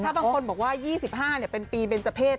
บางคนบอกว่า๒๕เป็นปีเบนเจอร์เพศ